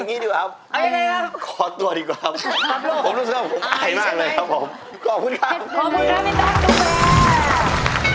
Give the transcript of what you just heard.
เอาอย่างนี้ดีกว่าครับ